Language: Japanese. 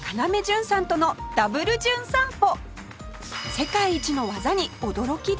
世界一の技に驚きです